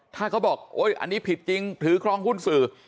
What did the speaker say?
ถ้าเขาบอกโอ๊ยอันนี้ผิดจริงถือครองหุ้นสื่อ